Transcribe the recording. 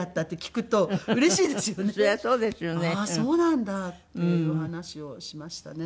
ああーそうなんだっていう話をしましたね。